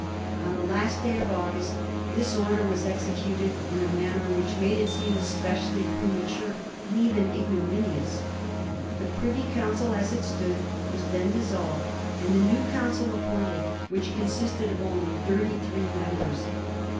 On the last day of August, this order was executed in a manner which made it seem especially premature, and even ignominious. The Privy Council, as it stood, was then dissolved, and the new Council appointed, which <K)nsisted of only thirty three members.